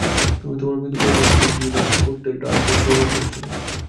তুমি তোমার মৃতদেহের মাধ্যমে ড্রিমওয়াক করতে ডার্কহোল্ড ব্যবহার করেছিল।